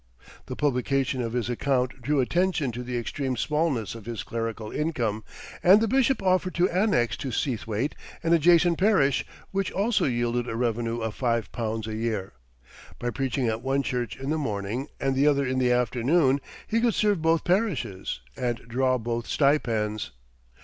The publication of this account drew attention to the extreme smallness of his clerical income, and the bishop offered to annex to Seathwaite an adjacent parish, which also yielded a revenue of five pounds a year. By preaching at one church in the morning, and the other in the afternoon, he could serve both parishes, and draw both stipends.